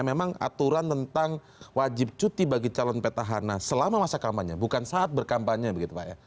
memang aturan tentang wajib cuti bagi calon petahana selama masa kampanye bukan saat berkampanye begitu pak ya